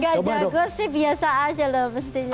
gak jago sih biasa aja loh mestinya